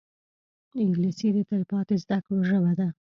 انګلیسي د تلپاتې زده کړو ژبه ده